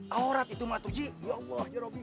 aurat itu matu ji ya allah ya rabbi